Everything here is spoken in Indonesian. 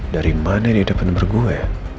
dari mana ini ada penempat gue